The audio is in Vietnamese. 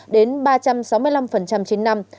đến ba trăm sáu mươi năm trên năm